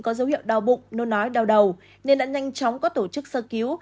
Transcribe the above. có dấu hiệu đau bụng nôn ói đau đầu nên đã nhanh chóng có tổ chức sơ cứu